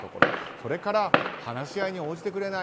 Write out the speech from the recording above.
それから話し合いに応じてくれない。